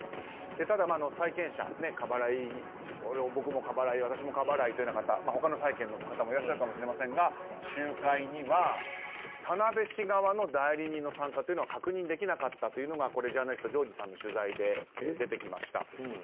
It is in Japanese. ただ債権者、僕も過払い私も過払いというような方他の債権の方もいらっしゃるかもしれませんが集会には田辺市側の代理人の参加は確認できなかったというのがジャーナリストの上路さんの取材で出てきました。